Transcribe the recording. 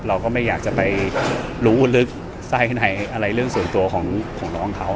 เราก็ไม่อยากจะไปรู้อุดลึกในเรื่องส่วนตัวของน้องเค้า